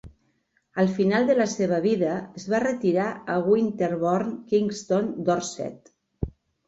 Al final de la seva vida, es va retirar a Winterborne Kingston, Dorset.